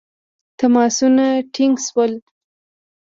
تماسونه ټینګ شول.